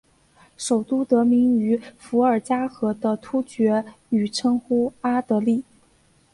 首都得名于伏尔加河的突厥语称呼阿的里。